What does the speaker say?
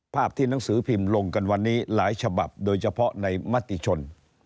ภาพที่หนังสือพิมพ์ลงกันวันนี้หลายฉบับโดยเฉพาะในมติชน